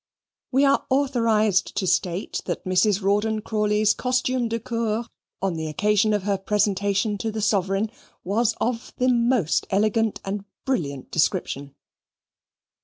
We are authorized to state that Mrs. Rawdon Crawley's costume de cour on the occasion of her presentation to the Sovereign was of the most elegant and brilliant description.